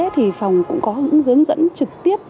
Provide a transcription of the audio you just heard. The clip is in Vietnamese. thì phòng cũng có hướng dẫn trực tiếp